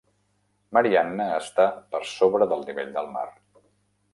Marianna està per sobre del nivell del mar.